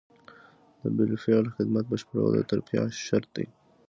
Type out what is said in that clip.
د بالفعل خدمت بشپړول د ترفیع شرط دی.